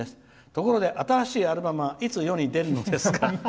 ところで新しいアルバムはいつ世に出るのですか？」。